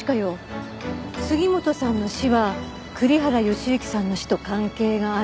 杉本さんの死は栗原善行さんの死と関係がある。